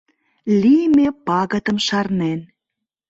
Лийме пагытым шарнен